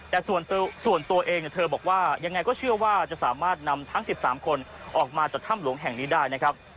แต่ส่วนตัวเองเธอบอกว่ายังไงก็เชื่อว่าจะสามารถนำทั้ง๑๓คนออกมาจากถ้ำหลวงแห่งนี้ได้นะครับ